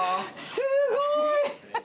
すごい！